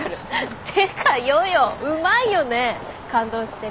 てか夜々うまいよね感動してる演技。